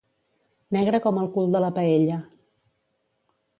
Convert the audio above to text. Negre com el cul de la paella.